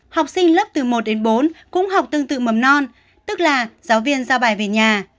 học sinh lớp từ một đến bốn cũng học tương tự mầm non tức là giáo viên giao bài về nhà